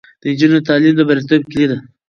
د نجونو تعلیم د بریالیتوب کیلي ده.